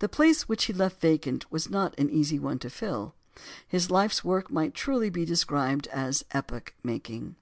The place which he left vacant was not one easy to fill. His life's work might be truly described as "epoch making."